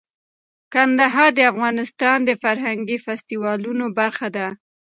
کندهار د افغانستان د فرهنګي فستیوالونو برخه ده.